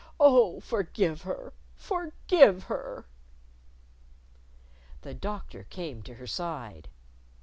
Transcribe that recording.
Oh, forgive her! Forgive her!" The Doctor came to her side.